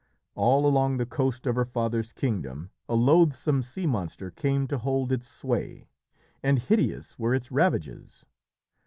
All along the coast of her father's kingdom a loathsome sea monster came to hold its sway, and hideous were its ravages.